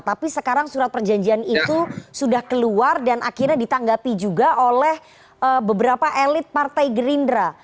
tapi sekarang surat perjanjian itu sudah keluar dan akhirnya ditanggapi juga oleh beberapa elit partai gerindra